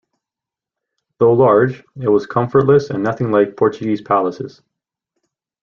Though large, it was comfortless and nothing like Portuguese palaces.